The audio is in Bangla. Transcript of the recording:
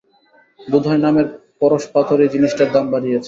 বোধ হয় নামের পরশপাথরেই জিনিসটার দাম বাড়িয়েছে।